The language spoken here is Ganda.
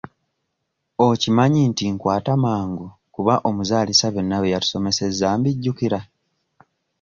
Okimanyi nti nkwata mangu kuba omuzaalisa byonna bye yatusomesezza mbijjukira?